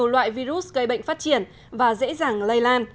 một loại virus gây bệnh phát triển và dễ dàng lây lan